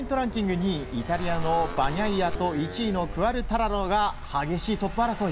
２位イタリアのバニャイアと１位のクアルタラロが激しい１位争い。